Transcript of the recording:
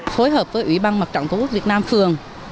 phối hợp với ủy ban mặt trận tổ quốc việt nam phường